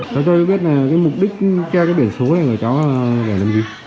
cháu cho biết mục đích cho cái biển số này là cháu làm gì